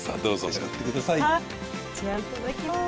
じゃいただきます。